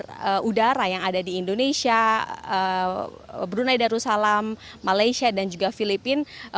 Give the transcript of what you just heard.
dari udara yang ada di indonesia brunei darussalam malaysia dan juga filipina